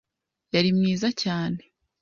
Yari mwiza cyane